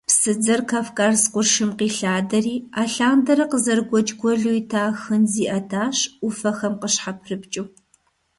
Псыдзэр Кавказ къуршым къилъадэри, алъандэрэ къызэрыгуэкӀ гуэлу ита Ахын зиӀэтащ, Ӏуфэхэм къыщхьэпрыпкӀыу.